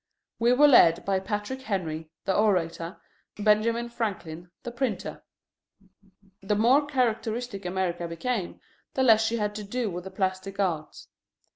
We were led by Patrick Henry, the orator, Benjamin Franklin, the printer. The more characteristic America became, the less she had to do with the plastic arts.